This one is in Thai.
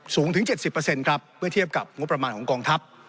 สูงถึง๗๐ครับเมื่อเทียบกับงบประมาณของกองทัพ